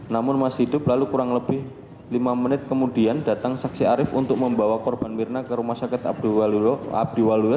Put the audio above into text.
namun masih hidup lalu kurang lebih lima menit kemudian datang saksi arief untuk membawa korban mirna ke rumah sakit abdi waluya